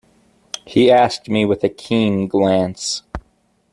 he asked me with a keen glance.